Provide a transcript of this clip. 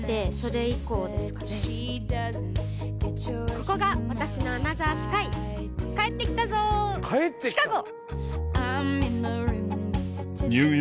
ここが私のアナザースカイ帰ってきたぞシカゴ！